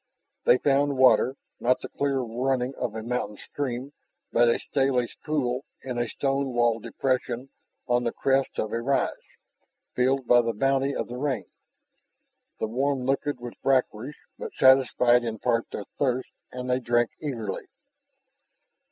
They found water, not the clear running of a mountain spring, but a stalish pool in a stone walled depression on the crest of a rise, filled by the bounty of the rain. The warm liquid was brackish, but satisfied in part their thirst, and they drank eagerly.